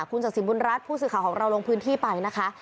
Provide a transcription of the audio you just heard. ศักดิ์บุญรัฐผู้สื่อข่าวของเราลงพื้นที่ไปนะคะ